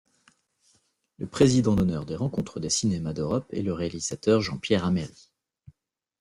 Le Président d'Honneur des Rencontres des Cinémas d'Europe est le réalisateur Jean-Pierre Ameris.